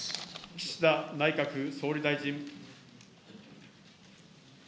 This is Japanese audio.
岸田内閣総理大臣。